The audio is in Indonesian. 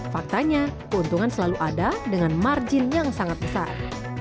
faktanya keuntungan selalu ada dengan margin yang sangat besar